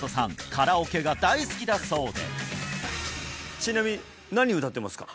カラオケが大好きだそうでちなみに何を歌っていますか？